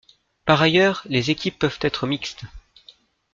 Par ailleurs, les équipes peuvent être mixtes.